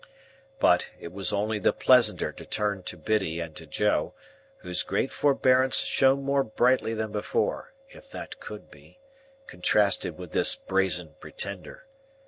But, it was only the pleasanter to turn to Biddy and to Joe, whose great forbearance shone more brightly than before, if that could be, contrasted with this brazen pretender.